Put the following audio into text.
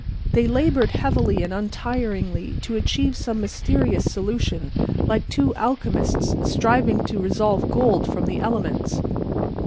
They labored heavily and untiringly to achieve some mysterious solution like two alchemists striving to resolve gold from the elements.